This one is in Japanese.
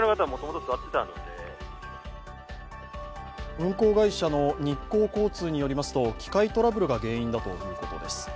運行会社の日光交通によりますと機械トラブルが原因だということです。